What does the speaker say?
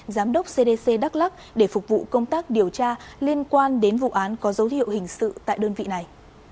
giám đốc cdc đắk lắc để phục vụ công tác điều tra liên quan đến vụ án có dấu hiệu hình sự tại đơn vị này